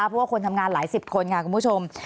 เพราะว่าคนทำงานหลายสิบคนค่ะคุณผู้ชม